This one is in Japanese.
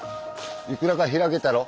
いくらか開けたろ？